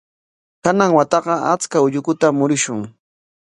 Kanan wataqa achka ullukutam murushun.